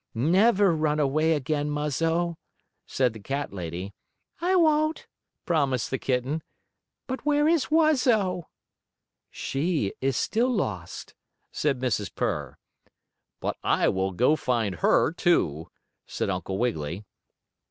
"Never run away again, Muzzo," said the cat lady. "I won't," promised the kitten. "But where is Wuzzo?" "She is still lost," said Mrs. Purr. "But I will go find her, too," said Uncle Wiggily.